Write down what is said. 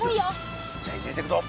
よしじゃあ入れてくぞ。